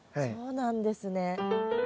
そうなんですね。